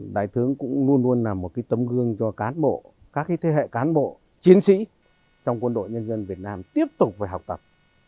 đại tướng cũng luôn luôn là một tấm gương cho các thế hệ cán bộ chiến sĩ trong quân đội nhân dân việt nam tiếp tục học tập